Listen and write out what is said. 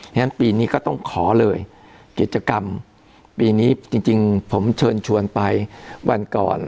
งั้นปีนี้ก็ต้องขอเลยกิจกรรมปีนี้จริงผมเชิญชวนไปวันก่อน